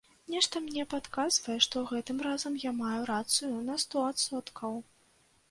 Нешта мне падказвае, што гэтым разам я маю рацыю на сто адсоткаў.